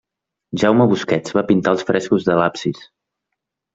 Jaume Busquets va pintar els frescos de l'absis.